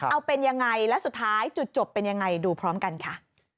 เอาเป็นยังไงและสุดท้ายจุดจบเป็นยังไงดูพร้อมกันค่ะ